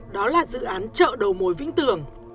đó là dự án chợ đầu mối vĩnh tường